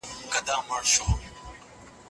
د نوي ميرمني د عادتولو لپاره اووه شپې مناسبي دي.